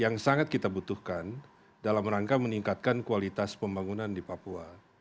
yang sangat kita butuhkan dalam rangka meningkatkan kualitas pembangunan di papua